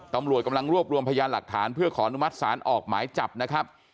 ตำรวจกำลังรวบรวมพยานหลักฐานเพื่อขออนุมัติศาลออกหมายจับนะครับ